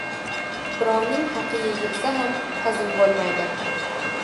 • Birovning haqi yeyilsa ham, hazm bo‘lmaydi.